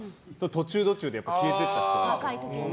途中途中で消えてった人が。